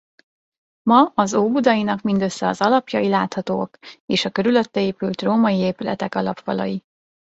Ma az óbudainak mindössze az alapjai láthatóak és a körülötte épült római épületek alapfalai.